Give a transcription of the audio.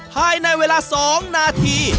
ภายในเวลา๒นาที